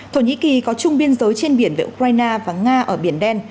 thổ nhĩ kỳ có chung biên giới trên biển với ukraine và nga ở biển đen